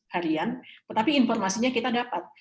harian tetapi informasinya kita dapat